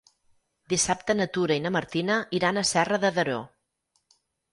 Dissabte na Tura i na Martina iran a Serra de Daró.